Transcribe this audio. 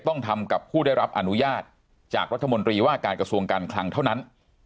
ต้องทำกับผู้ได้รับอนุญาตจากรัฐมนตรีว่าการกระทรวงการคลังเท่านั้น